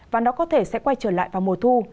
và nó có thể sẽ quay trở lại vào mùa thu